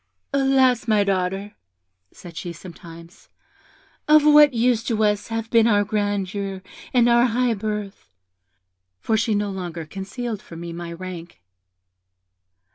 'Alas! my daughter,' said she, sometimes, 'of what use to us have been our grandeur and our high birth? (for she no longer concealed from me my rank.)